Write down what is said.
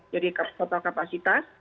jadi total kapasitas